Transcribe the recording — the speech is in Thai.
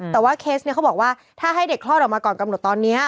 แต่ว่าเคสนี้เขาบอกว่าถ้าให้เด็กคลอดออกมาก่อนกำหนดตอนนี้